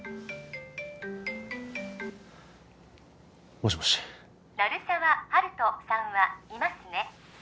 もしもし鳴沢温人さんはいますね？